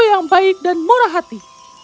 yang baik dan murah hati